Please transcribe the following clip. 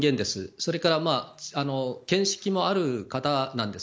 それから見識もある方なんです。